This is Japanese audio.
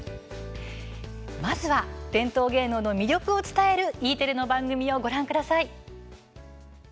まずは伝統芸能の魅力を伝えるＥテレの番組をご覧ください。